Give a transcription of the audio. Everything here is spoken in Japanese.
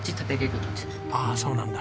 ああそうなんだ。